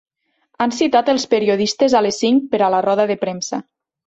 Han citat els periodistes a les cinc per a la roda de premsa.